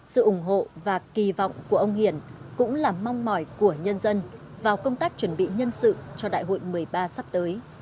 sự ủng hộ và kỳ vọng của ông hiển cũng là mong mỏi của nhân dân vào công tác chuẩn bị nhân sự cho đại hội một mươi ba sắp tới